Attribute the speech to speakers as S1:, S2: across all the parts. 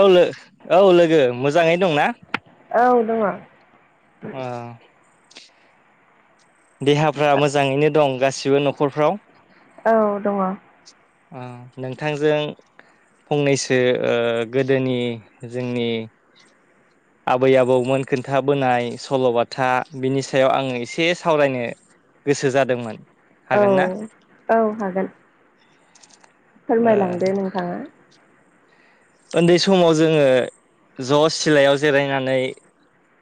S1: औ लो औ लोगो मोजाङै दंना
S2: औ दङ'
S1: अ देहाफ्रा मोजाङैनो दं गासिबो न'खरफ्राव
S2: औ दङ'
S1: अ नोंथांजों फंनैसो ओ गोदोनि जोंनि आबै आबौमोन खोन्थाबोनाय सल'बाथा बिनि सायाव आङो एसे सावरायनो गोसो जादोंमोन
S2: औ
S1: हागोन ना
S2: औ हागोन
S1: ओ
S2: फोरमायलांदो नोंथाङा
S1: ओन्दै समाव जोङो ज' सिलायाव जिरायनानै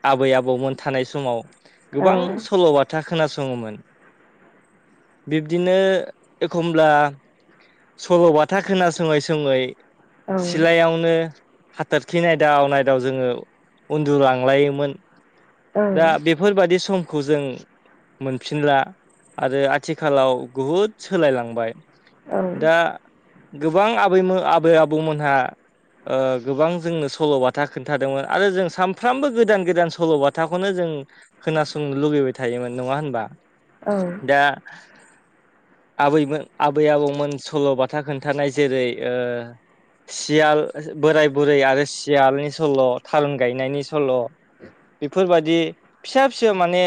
S1: आबै आबौमोन थानाय समाव
S2: औ
S1: गोबां सल'बाथा खोनास'ङोमोन बिब्दिनो एखमब्ला सल'बाथा खोनासङै सङै
S2: औ
S1: सिलायावनो हाथोरखि नायदाव-नायदाव जोङो उन्दुलांलायोमोन
S2: औ
S1: दा बेफोरबादि समखौ जों मोनफिनला आरो आथिखालाव बुहुद सोलायलांबाय
S2: औ
S1: दा गोबां आबैमो आबै आबौमोनहा ओ गोबां जोंनो सल'बाथा खोन्थादोंमोन आरो जों सानफ्रामबो गोदान-गोदान सल'बाथाखौनो जों खोनासंनो लुगैबाय थायोमोन नङा होनबा दा आबैमोन आबै आबौमोन सल'बाथा खोन्थानाय जेरै ओ सियाल बोराय बुरै आरो सियालनि सल' थारुन गायनायनि सल' बेफोरबायदि फिसा-फिसा माने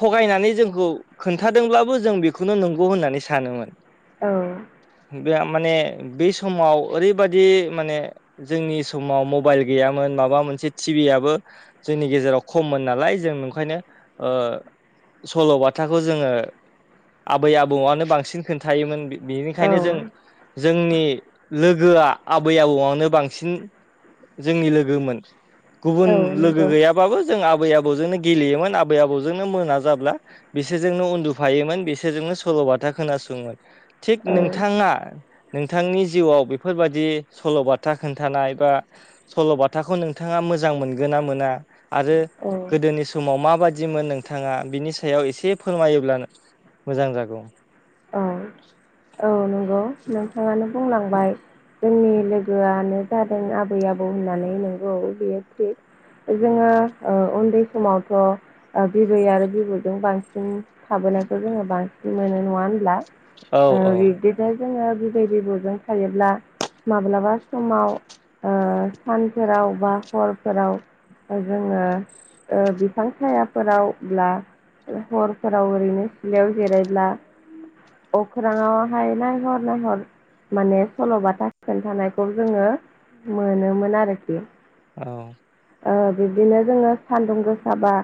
S1: थगायनानै जोंखौ खोन्थादोंब्लाबो जों बेखौनो नंगौ होननानै सानोमोन
S2: औ
S1: बे माने बे समाव ओरैबाद दि माने जोंनि समाव मबाइल गैयामोन माबा मोनसे थिभि आबो जोंनि गेजेराव खममोन नालाय जों नंखायनो ओ सल'बाथाखौ जोङो आबै आबौआनो बांसिन खोन्थायोमोन बि
S2: औ
S1: बेनिखायनो जों-जोंनि लोगोआ आबै आबौआनो बांसिन जोंनि लोगोमोन गुबुन
S2: औ
S1: लोगो
S2: नंगौ
S1: गैया बाबो जों आबै आबौजोंनो गेलेयोमोन आबै आबौजोंनो मोना जाब्ला बिसोरजोंनो उन्दुफायोमोन बिसोरजोंनो सल'बाथा खोनासङोमोन थिग
S2: औ
S1: नोंथाङा नोंथांनि जिउआव बेफोरबादि सल'बाथा खोन्थानाय बा सल'बाथाखौ नोंथाङा मोजां मोनगोन ना मोना आरो
S2: औ
S1: गोदोनि समाव माबादिमोन नोंथाङा बिनि सायाव एसे फोरमायोब्लानो मोजां जागौ।
S2: औ औ नंगौ नोंथाङानो बुंलांबाय जोंनि लोगोआनो जादों आबै आबौ होननानै नंगौ बियो थि - जोङो उन्दै समावथ' बिबै आरो बिबौजों बांसिन थाबोनायखौ जोङो बांसिन मोनो नङा होन
S1: औ
S2: [unintelligible]
S1: औ
S2: ओ बिबदिनो जोङो बिबै बिबौजों थायोब्ला माब्लाबा समाव ओ सानफोराव बा हरफोराव ओ जोङो ओ बिफां सायाफोराव ब्ला हरफोराव ओरैनो सिलायाव जिरायब्ला अखोराङाव हाय नायहर-नायहर माने सल'बाथा खोन्थानायखौ जोङो मोनोमोन आरोखि
S1: औ।
S2: ओ बिब्दिनो जोङो सान्दुं गोसाबा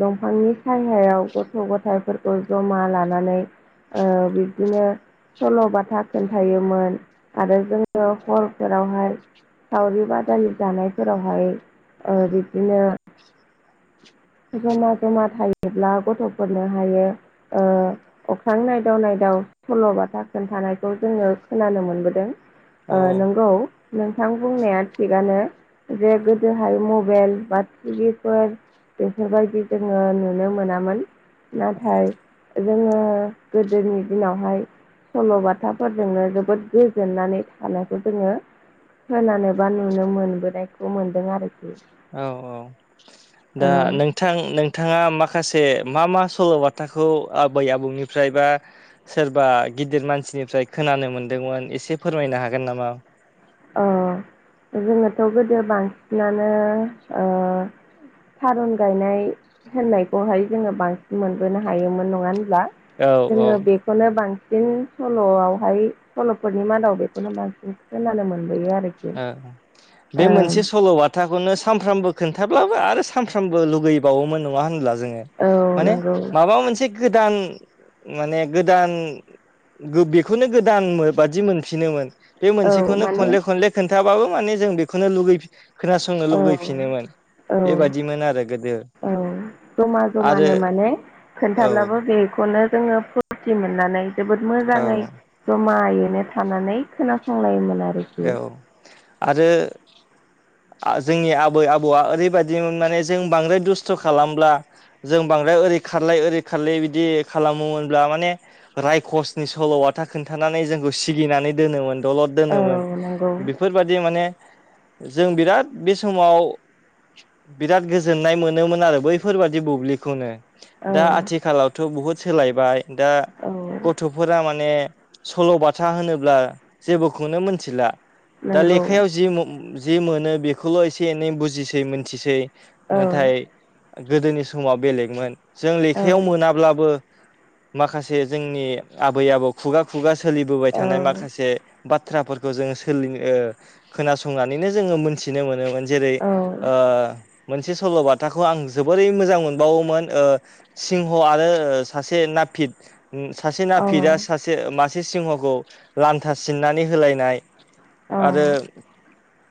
S2: दंफांनि सायहायाव गथ' गथायफोरखौ जमा लानानै नानै बिब्दिनो सल'बाथा खोन्थायोमोन आरो जोङो हरफोरावहाय सावरि बादालि दानायफोरावहाय बिबदिनो जमा जमा थायोब्ला गथ'फोरनो हायो। अख्रां नायदाव नायदाव सल'बाथा खोन्थानायखौ जोङो खोनानो मोनबोदों।
S1: औ
S2: नोंगौ नोंथां बुंनाया थिगानो जे गोदोहाय मबाइल बा टि भि फोर बेफोरबायदि जोङो नुनो मोनामोन नाथाय जोङो गोदोनि दिनावहाय सल'बाथाफोरजोंनो जोबोद गोजोननानै थानायखौ जोङो खानो बा नुनो मोनबोनायखौ मोनदों आरोखि।
S1: औ औ दा
S2: औ
S1: नों नोंथाङा माखासे मा मा सल'बाथाखौ आबै आबौनिफ्राय बा सोरबा गिदिर मानसिनिफ्राय खोनानो मोनदोंमोन एसे फोरमायनो हागोन नामा?
S2: जोङोथ' गोदो बांसिनानो थारुन गायनाय होननायखौहाय जोङो बांसिन मोनबोनो हायोमोन नङा होनब्ला
S1: औ
S2: बे
S1: औ
S2: बेखौनो बांसिन सल'आवहाय सल'फोरनि मादाव बेखौनो बांसिन खोनानो मोनो। मोनबोयो आरोखि
S1: बे
S2: ओं
S1: मोनसे सल'आ खोथाखौनो सानफ्रामबो खोन्थाब्लाबो आरो सानफ्रामबो लुगैबावोमोन नङा होनब्ला जोङो
S2: औ
S1: माने
S2: नंगौ
S1: माबा मोनसे गोदान माने गोदान बेखौनो गोदान बादि मोनफिनोमोन। बे
S2: औ
S1: मोनसेखौनो
S2: माने
S1: खनले खनले खोन्थाबाबो माने जों बेखौनो लुगै खोनासंनो
S2: औ
S1: लुुबैफिनोमोन
S2: औ
S1: बेबायादिमोन आरो गोदो
S2: औ जमा
S1: आरो
S2: जमानो माने
S1: औ
S2: खोन्थाब्लाबो बेखौनो जोङो फुरथि मोननानै जोबोद
S1: औ
S2: मोजाङै जमायैनो थानानै खोनासंलायोमोन। आरोखि
S1: औ आरो जोंनि आबै आबौआ ओरैबायदि माने जों बांद्राय दुस्थ' खालामब्ला जों बांद्राय ओरै खारलाय ओरै खारलाय बिदि खालामोमोनब्ला माने रायखसनि सल'आाथा खोन्थानानै जोंखौ सिगिनानै दोनोमोन दलद
S2: औ
S1: दोनोमोन।
S2: नंगौ
S1: बेफोरबादि माने जों बिराद बे समाव बिराद गोजोननाय मोनोमोन आरो बैफोरबादि बुब्लिखौनो
S2: औ
S1: दा आथिखालावथ' बहुद सोलायबाय दा
S2: औ
S1: गथ'फोरा माने सल'बाथा होनोब्ला जेबोखौनो मिथिला दा
S2: नंगौ
S1: लेखायाव जि जि मोनो बेखौल' एसे एनै बुजिसै मोनथिसै
S2: औ
S1: नाथाय गोदोनि समाव बेलेगमोन जों
S2: औ
S1: लेखायाव मोनाब्लाबो माखासे जोंनि आबै आबौ खुगा खुगा सोलिबोबाय
S2: औ
S1: थानाय माखासे बाथ्राफोर खौ जों सोलि ओ खोनासंनानैनो जोङो मोनथिनो मोनोमोन। जेरै
S2: औ
S1: ओ मोनसे सल'बाथाखौ आं जोबोरै मोजां मोनबावोमोन ओ सिंह आरो सासे नापिद सासे
S2: औ
S1: नापिदा सासे मासे सिंहखौ लान्था सिननानै होलायनाय आरो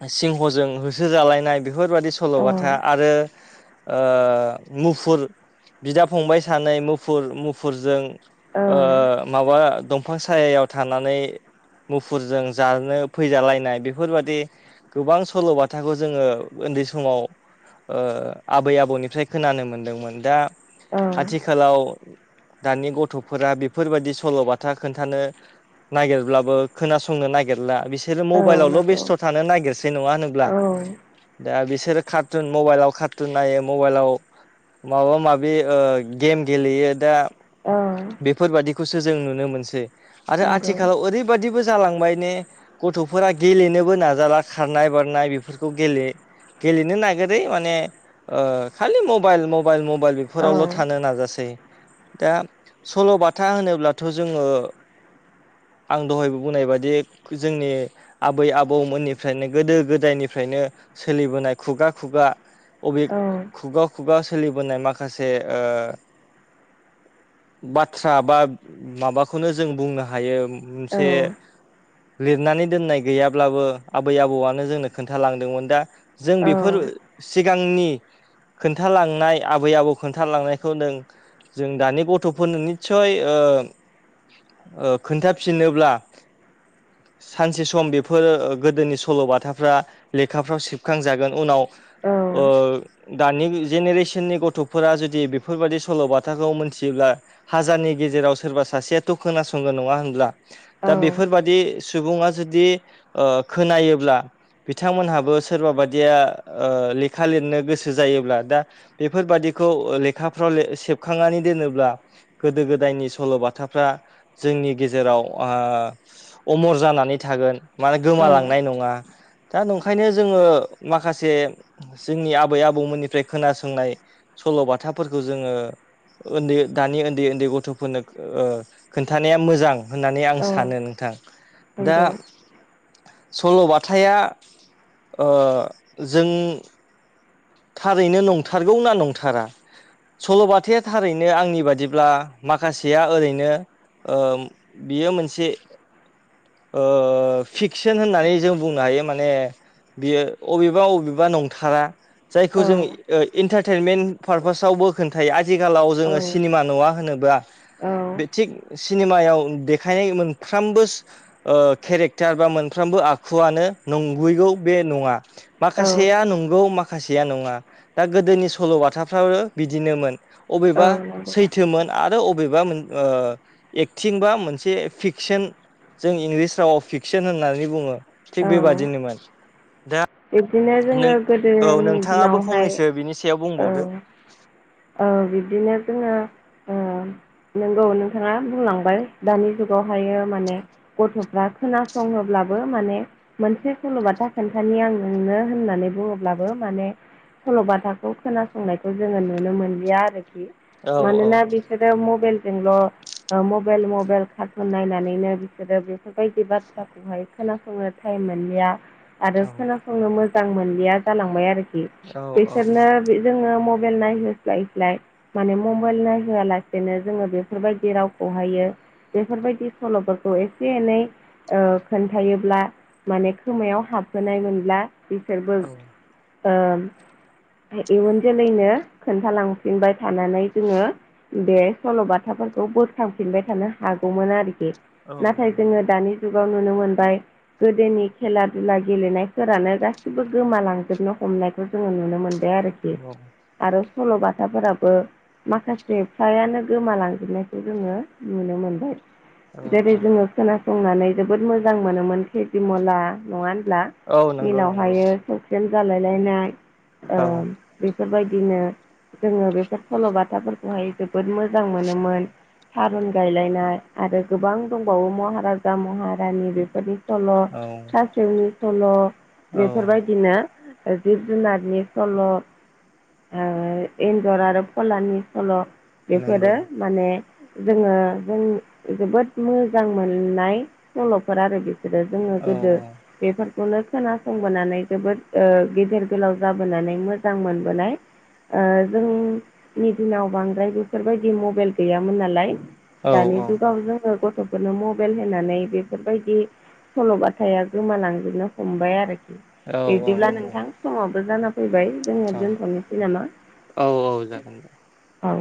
S1: सिंहजों होसो जालायनाय बे बेफोरबायादि सल'बाथा आरो मुफुर बिदा फंबाइ सानै मुफुर मुफुरजों ओ माबा दंफां सायायाव थानानै मुफुरजों जानो फैजालायनाय बेफोरबादि गोबां सल'बाथाखौ जोङो उन्दै समाव ओ आबै आबौनिफ्राय खोनानो मोनदोंमोन दा आथिखालाव दानि गथ' फोरा बेफोरबादि सल'बाथा खोन्थानो नागिरब्लाबो खोनासंनो नागिरला बिसो सोरो मबाइलावल'
S2: नंगौ
S1: बेस्थ' थानो नागिरसै नङा होनोब्ला?
S2: औ
S1: दा बिसोरो कार्टुन मबाइलाव कारटुन नायो मबाइलाव माबा माबि ओ गेम गेलेयो दा
S2: औ।
S1: बेफोरबायदि खौसो जों नुनो मोनसै आरो
S2: नंगौ
S1: आथिखालाव ओरैबादिबो जालांबाय ने‌ गथ'फोरा गेलेनोबो नाजाला खारनाय बारनाय बेफोरखौ गेले गेलेनो नागारै माने ओ खालि मबाइल मब मबाइल मबाइल
S2: औ औ
S1: बेफोरावल' थानो नाजासै दा सल'बाथा होनोब्लाथ' जोङो आं दहायबो बुंनाय बादि जोंनि आबै आबौमोननिफ्रायनो गोदो गोदायनिफ्रायनो सोलिबोनाय खुगा खुगा अबे खुगा खुगा सोलिबोनाय माखासे ओ बाथ्रा बा माबाखौनो जों बुंनो हायो मोनसे लिरनानै दोननाय गैयाब्लाबो आबै आबौआनो जोंनो खोन्थालांदोंमोन दा जों बेफोर सिगांनि खोन्थालांनाय आबै आबौ खोन्थालांनायखौ नों जों दानि गथ थ'फोरनो निसय ओ ओ खोन्थाफिनोब्ला सानसे सम बेफोर गोदोनि सल'बाथाफ्रा लेखाफ्राव सेबखांजागोन उनाव ओ
S2: औ
S1: दानि जेनेरेसननि गथ'फोरा जुदि बेफोरबादि सल'बाथाखौ मोनथियोब्ला‌ हाजारनि गेजेराव सोरबा सासेयाथ' खोनासंगोन नङा होनब्ला?
S2: औ
S1: दा बेफोरबादि सुबुङा जुदि ओ खोनायोब्ला बिथांमोनहाबो सोरबा बादिया ओ लेखा लिरनो गोसो जायोब्ला दा बेफोरबादिखौ ओ लेखाफ्राव ले सेबखांनानै दोनोब्ला गोदो गोदायनि सल'बाथाफ्रा जोंनि गेजेराव आ अमर जानानै थागोन माने
S2: औ नंगौ औ
S1: गोमालांनाय नङा। दा नंखायनो जोङो माखासे जोंनि आबै आबौमोननिफ्राय खोनासंनाय सल'बाथाफोरखौ जोङो उन्दै दानि उन्दै उन्दै गथ'फोरनो ओ खोन्थानाया मोजां। होननानै आं
S2: औ
S1: सानो नोंथां। दा
S2: नंगौ औ
S1: सल'बाथाया ओ जों थारैनो नंथारगौ ना नंथारा सल'बाथाया थारैनो आंनि बादिब्ला माखासेया ओरैनो ओ बियो मोनसे ओ फिक्सन होननानै जों बुंनो हायो। माने बियो अबेबा अबेबा नंथारा जायखौ जों ओ इन्टारटेनमेन्ट पारपासावबो खोन्थायो आजखालाव जोङो सिनिमा नुवा होनोबा बे थिग सिनेमायाव देखायनाय मोनफ्रोमबो सु ओ केरेक्टार बा मोनफ्रोमबो आखुआनो नंगैगौ बे नङा। माखासेया नंगौ माखासेया नङा दा गोदोनि सल'बाथाफ्राबो बिदिनोमोन। अबेबा सैथोमोन आरो अबेबा मोन ओ एक्टिं बा मोनसे फिकसन जों इंलिस रावाव फिकसन होननानै बुङो थिग बेबादिनोमोन। दा
S2: बिबदिनो
S1: नों
S2: जोङो
S1: औ
S2: गोदोनि
S1: नोंथाङाबो
S2: दिनावहाय
S1: फंनैसो बिनि सायाव
S2: ओ
S1: बुंबावदो
S2: औ बिबदिनो जोङो ओ नोंगौ नोंथाङा बुंलांबाय। दानि जुगावहायो माने गथ'फ्रा खोनासङोब्लाबो माने मोनसे सुलुबाथा खोन्थानि आं। नोंनो होननानै बुङोब्लाबो माने। सल'बाथाखौ खोनासंनायखौ जोङो नुनो मोनलिया आरोखि
S1: औ औ
S2: मानोना बे। खोजौ मबाइल जोंल'। मबेइल, मबेइल कार्टुन नायनानैनो बिसोरो बेफोरबायदि बाथ्राखौहाय। खोनासंनो टाइम मोनलिया। आरो
S1: औ
S2: खोनासंनो मोजां मोनलिया जालांबाय आरोखि
S1: औ
S2: बिसोरनो। जोङो मबेइल नायहोस्लायस्लाय। माने मबाइल नायहोआलासेनो जोङो बेफोरबायदि रावखौहायो बेफोरबायदि सल'फोरखौ एसे एनै ओ खोन्थायोब्ला माने खोमायाव हाबहोनाय मोनब्ला बिसोरबो
S1: औ
S2: ओ इयुन जोलैनो खोन्थालांफिनबाय थानानै जोङो बे सल'बाथाफोरखौ बोखांफिनबाय थानो हागौमोन आरोखि
S1: औ
S2: नाथाय जोङो
S1: नंगौ
S2: दानि जुगाव नुनो मोनबाय गोदोनि खेला दुला गेलेनायफोरानो गासिबो गोमालांजोबनो हमनायखौ जोङो नुनो मोनदों आरोखि
S1: औ
S2: आरो सल' बाथाफोराबो माखासे फ्रायानो गोमालांजोबनायखौ जोङो नुनो मोनबाय
S1: औ
S2: जेरै
S1: औ
S2: जोङो खोनासंनानै जोबोद मोजां मोनोमोन तेजिमला नङा होनब्ला
S1: औ नंगौ नंगौ
S2: मिलावहायो ससिन जालाय लायनाय ओ
S1: औ
S2: बेफोरबायदिनो जोङो बेफोर सल'बाथाफोरखौहाय जोबोद मोजां मोनोमोन थारुन गायलायनाय आरो गोबां दंबावो महाराजा महारानि बेफोरनि सल'
S1: औ
S2: खासेवनि सल'
S1: औ
S2: बेफोरबायदिनो जिब जुनारनि सल' ओ एन्जर आरो फलानि सल' बेफोरो
S1: नंगौ
S2: माने जोङो जों जोबोद मोजां मोननाय सल'फोर आरो बि [unintelligible] जोङो
S1: औ
S2: गोदो
S1: औ
S2: बेफोरखौनो खोनासंबोनानै जोबोद ओ गिदिर गोलाव जाबोनानै मोजां मोनबोनाय ओ जोंनि दिनाव बांद्राय बेफोरबायदि मबाइल गैयामोन नालाय
S1: औ
S2: दानि जुगाव जोङो गथ'फोरनो मबाइल होनानै बेफोरबायदि सल'बाथाया गोमालांजोबनो हमबाय आरोखि
S1: औ औ
S2: बिदिब्ला
S1: नंगौ
S2: नोंथां समावबो जाना फैबाय जोङो
S1: औ
S2: दोनथ'नोसै नामा
S1: औ औ जागोन
S2: औ